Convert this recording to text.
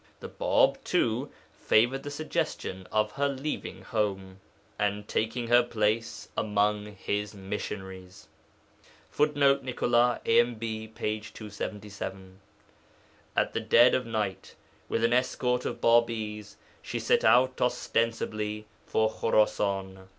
The Bāb, too, favoured the suggestion of her leaving home, and taking her place among his missionaries. [Footnote: Nicolas, AMB, p. 277.] At the dead of night, with an escort of Bābīs, she set out ostensibly for Khurasan.